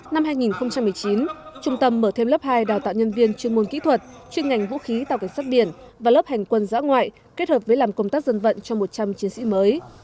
năm hai nghìn một mươi chín trung tâm mở thêm lớp hai đào tạo nhân viên chuyên môn kỹ thuật chuyên ngành vũ khí tàu cảnh sát biển và lớp hành quân giã ngoại kết hợp với làm công tác dân vận cho một trăm linh chiến sĩ mới